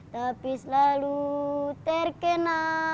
tapi selalu terkena